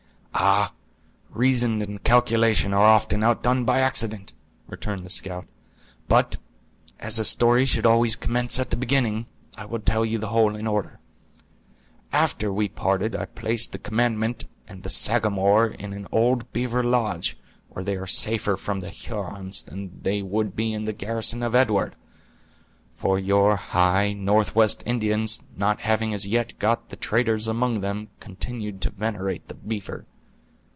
"Ah, reason and calculation are often outdone by accident," returned the scout. "But, as a story should always commence at the beginning, I will tell you the whole in order. After we parted I placed the commandant and the Sagamore in an old beaver lodge, where they are safer from the Hurons than they would be in the garrison of Edward; for your high north west Indians, not having as yet got the traders among them, continued to venerate the beaver.